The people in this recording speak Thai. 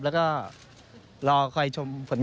แล้วก็รอค่อยชม